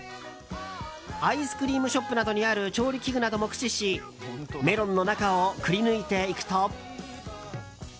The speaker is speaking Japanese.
アイスクリームショップなどにある、調理器具なども駆使しメロンの中をくり抜いていくと。